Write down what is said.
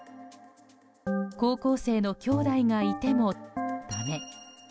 高校生のきょうだいがいてもだめ。